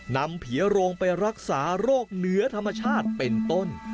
นำผีโรงไปรักษาโรคเหนือธรรมชาติเป็นต้น